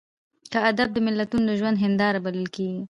که ادبیات د ملتونو د ژوند هینداره بلل کېږي.